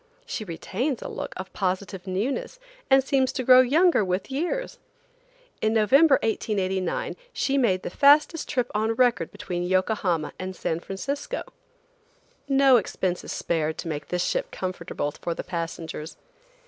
She retains a look of positive newness and seems to grow younger with years. In November, 1889, she made the fastest trip on record between Yokohama and San Francisco. No expense is spared to make this ship comfortable for the passengers.